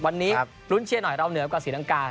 วันนี้ลุ้นเชียร์หน่อยเราเหนือกว่าศรีลังกา